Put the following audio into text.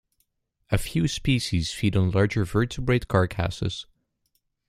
A few species feed on larger vertebrate carcasses.